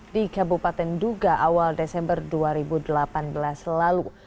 di kabupaten duga awal desember dua ribu delapan belas lalu